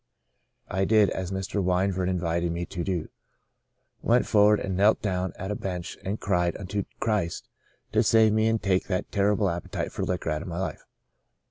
I did as Mr. Wyburn invited me to do — went forward and knelt down at a bench and cried unto Christ to save me and to take that terrible appetite for liquor out of my life.